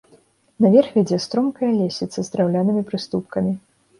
Наверх вядзе стромкая лесвіца з драўлянымі прыступкамі.